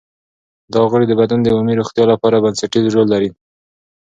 دا غړي د بدن د عمومي روغتیا لپاره بنسټیز رول لري.